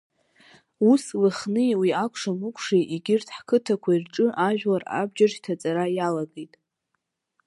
Ус Лыхни уи акәша-мыкәшатәи, егьырҭ ҳқыҭақәеи рҿы ажәлар абџьар шьҭаҵара иалагеит.